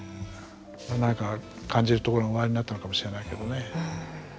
何か感じるところがおありになったのかもしれないけどね。